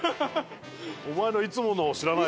お前のいつものを知らないよ。